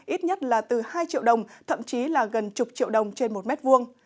ít nhất là từ hai triệu đồng thậm chí là gần chục triệu đồng trên một mét vuông